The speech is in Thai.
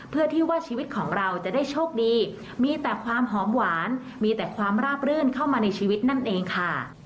เพื่อที่ว่าชีวิตของเราจะได้โชคดีมีแต่ความหอมหวานมีแต่ความราบรื่นเข้ามาในชีวิตนั่นเองค่ะ